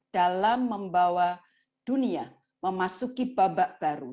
dalam membawa dunia memasuki babak baru